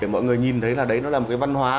để mọi người nhìn thấy là đấy nó là một cái văn hóa